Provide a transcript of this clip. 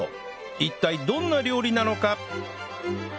一体どんな料理なのか？